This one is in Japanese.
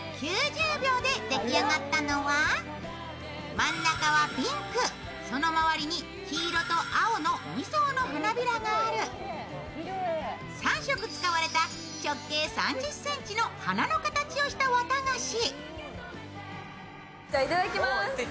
真ん中はピンク、その周りに黄色と青の２層の花びらがある３色使われた直径３０ｃｍの花の形をしたわたがし。